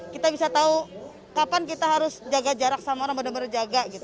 kita bisa tahu kapan kita harus jaga jarak sama orang benar benar jaga gitu